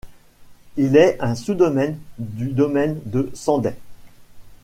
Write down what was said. Il est un sous-domaine du domaine de Sendai.